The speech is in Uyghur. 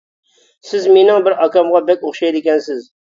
-سىز مىنىڭ بىر ئاكامغا بەك ئوخشايدىكەنسىز!